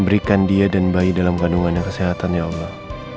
berikan dia dan bayi dalam kandungannya kesehatan ya allah